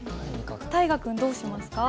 大河君どうしますか？